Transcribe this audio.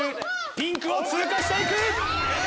ピンクを通過していく！